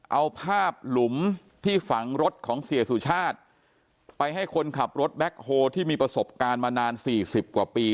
เอาภาพหลุมที่ฝังรถของเสียสุชาติไปให้คนขับรถแบ็คโฮที่มีประสบการณ์มานานสี่สิบกว่าปี